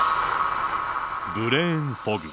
ブレーンフォグ。